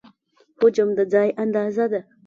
حجم د ځای اندازه ده.